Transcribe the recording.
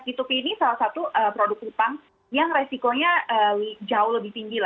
p dua p ini salah satu produk utang yang resikonya jauh lebih tinggi